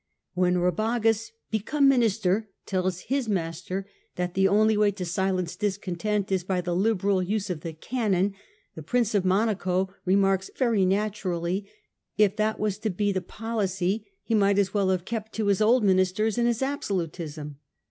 When Rabagas, become minister, tells bis master tbat tbe only way to silence discontent is by tbe liberal use of tbe cannon, tbe Prince of Monaco remarks very naturally tbat if tbat was to be tbe policy, be might as well bave kept to bis old ministers and bis absolutism.